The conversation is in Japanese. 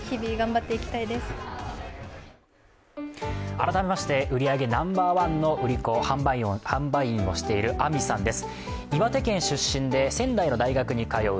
改めまして、売り上げナンバーワンの売り子、販売員をしているあみさんです。